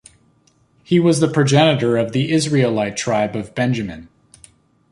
He was the progenitor of the Israelite Tribe of Benjamin.